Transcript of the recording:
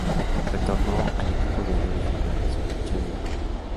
Retornó al equipo dueño original de su ficha, Libertad.